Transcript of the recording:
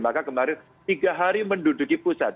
maka kemarin tiga hari menduduki pusat